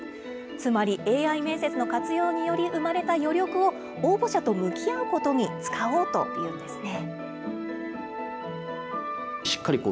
つまりＡＩ面接の活用により生まれた余力を、応募者と向き合うことに使おうというんですね。